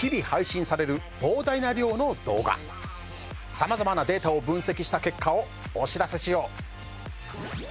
さまざまなデータを分析した結果をお知らせしよう。